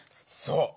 そう！